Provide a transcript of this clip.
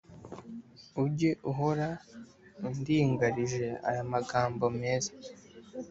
Ujye uhora indingarije aya magambo meza